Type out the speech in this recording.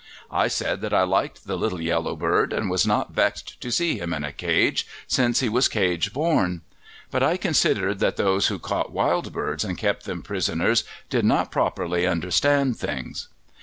I said that I liked the little yellow bird, and was not vexed to see him in a cage, since he was cage born; but I considered that those who caught wild birds and kept them prisoners did not properly understand things.